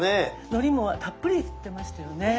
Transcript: のりもたっぷり振ってましたよね。